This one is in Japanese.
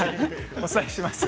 お伝えします。